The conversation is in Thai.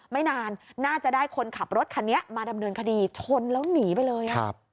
ไม่นานน่าจะได้คนขับรถคันนี้มาดำเนินคดีชนแล้วหนีไปเลยครับ